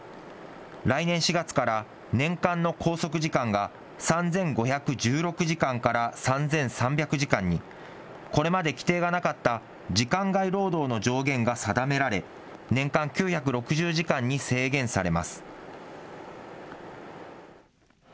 来年４月から、年間の拘束時間が、３５１６時間から３３００時間に、これまで規定がなかった時間外労働の上限が定められ、年間９６０時間に制限されます。